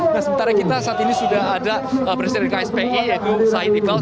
nah sementara kita saat ini sudah ada presiden kspi yaitu said iqbal